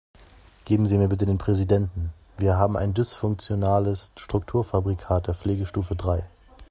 Geben Sie mir bitte den Präsidenten, wir haben ein dysfunktionales Strukturfabrikat der Pflegestufe drei.